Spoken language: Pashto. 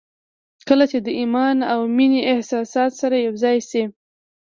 کله چې د ايمان او مينې احساسات سره يو ځای شي.